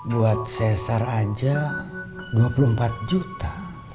buat sesar aja dua puluh empat juta